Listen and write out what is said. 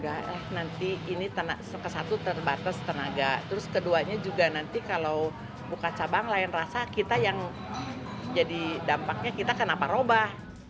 nanti ini satu terbatas tenaga terus keduanya juga nanti kalau buka cabang lain rasa kita yang jadi dampaknya kita kenapa robah